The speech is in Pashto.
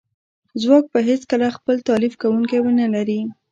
ځواک به هیڅکله خپل تالیف کونکی ونه لري